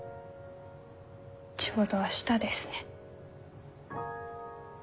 ちょうど明日ですね。